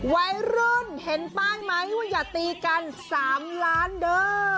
วัยรุ่นเห็นป้ายไหมว่าอย่าตีกัน๓ล้านเด้อ